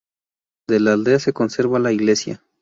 De la aldea se conserva la Iglesia.